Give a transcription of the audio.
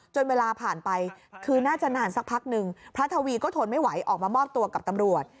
เวลาผ่านไปคือน่าจะนานสักพักหนึ่งพระทวีก็ทนไม่ไหวออกมามอบตัวกับตำรวจ